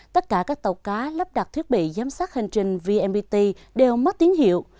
tất cả các tàu cá lắp đặt thiết bị giám sát hành trình vnpt đều mất tiếng hiệu